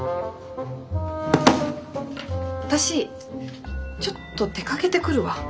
私ちょっと出かけてくるわ。